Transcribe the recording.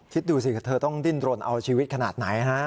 คิดดูสิเธอต้องดิ้นรนเอาชีวิตขนาดไหนฮะ